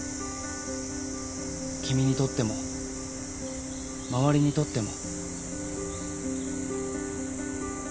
君にとっても周りにとっても。